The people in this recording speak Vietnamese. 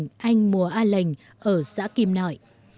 gia đình anh mùa a lệnh ở xã kim nội